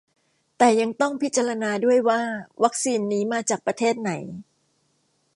แต่ยังต้องพิจารณาด้วยว่าวัคซีนนี้มาจากประเทศไหน